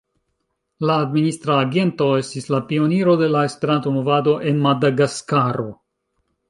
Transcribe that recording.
La administra agento estis la pioniro de la Esperanto-Movado en Madagaskaro.